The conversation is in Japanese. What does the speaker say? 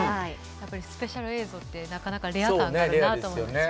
スペシャル映像ってなかなかレア感があるなと思って。